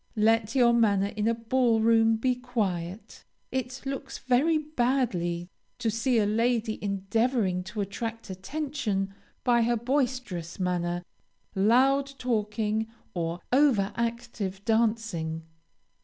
Let your manner in a ball room be quiet. It looks very badly to see a lady endeavoring to attract attention by her boisterous manner, loud talking, or over active dancing.